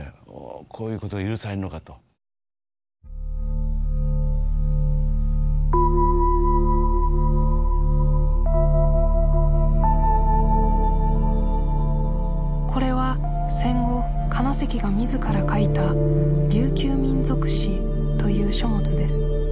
こういうこと許されるのかとこれは戦後金関が自ら書いた琉球民俗誌という書物です